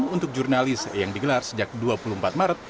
untuk jurnalis yang digelar sejak dua puluh empat maret